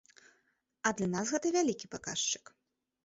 А для нас гэта вялікі паказчык.